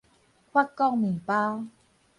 法國麵包